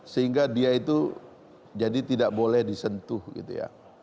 sehingga dia itu jadi tidak boleh disentuh gitu ya